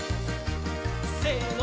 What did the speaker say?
せの！